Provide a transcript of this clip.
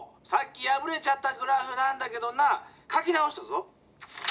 さっきやぶれちゃったグラフなんだけどな書き直したぞ。